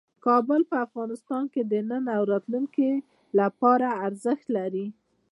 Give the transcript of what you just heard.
کابل په افغانستان کې د نن او راتلونکي لپاره ارزښت لري.